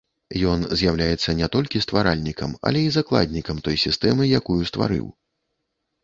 Ён з'яўляецца не толькі стваральнікам, але і закладнікам той сістэмы, якую стварыў.